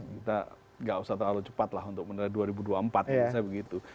kita gak usah terlalu cepat lah untuk menerai dua ribu dua puluh empat ya bisa begitu